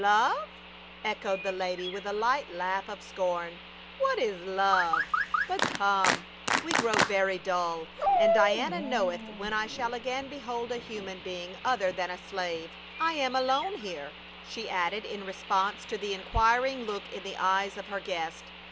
"Love?" echoed the lady with a light laugh of scorn. "What is love? — But come, we grow very dull, and Diana knoweth when I shall again behold a human being other than a slave. — I am alone here," she added in response to the inquiring look in the eyes of her guest.